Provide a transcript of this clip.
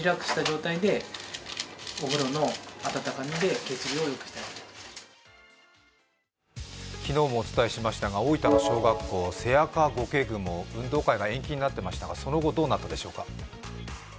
自律神経を整えることが重要だといい昨日もお伝えしましたが大分の小学校、セアカゴケグモ、運動会が延期になっていましたがその後どうなったでしょうか。